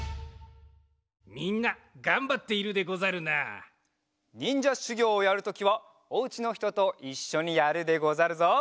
みんながんばっているでござるな。にんじゃしゅぎょうをやるときはお家のひとといっしょにやるでござるぞ。